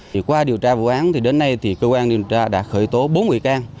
thì qua điều tra vụ án thì đến nay thì cơ quan an ninh điều tra đã khởi tố bốn nguy can